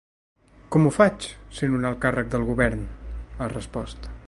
Com ho faig, sent un alt càrrec del govern?, ha respost.